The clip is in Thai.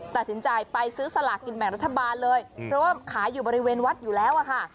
ตัดสินใจไปซื้อสลากกินแบ่งรัฐบาลเลยเพราะว่าขายอยู่บริเวณวัดอยู่แล้วอะค่ะ